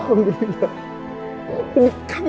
kamu bukan hamil wir kyat ibu